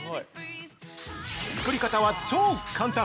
◆作り方は超簡単！